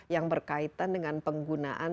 yang berkaitan dengan penggunaan